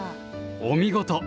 お見事！